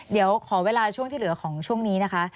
เดี๋ยวขอเวลาช่วงที่เหลือของช่วงนี้นะคะ